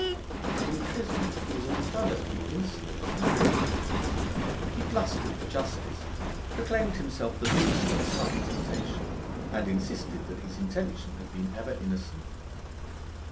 In prison he was alternately insolent and aggrieved. He blustered for justice, proclaimed himself the victim of sudden temptation, and insisted that his intention had been ever innocent.